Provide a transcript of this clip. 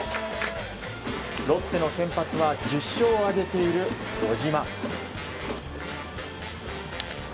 ロッテの先発は１０勝を挙げている小島。